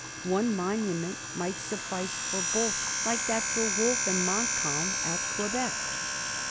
One monument might suffice for both, like that for Wolfe and Montcalm at Quebec.